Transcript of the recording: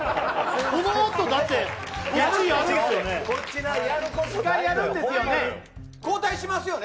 このあと、だって、こっちやるんですよね？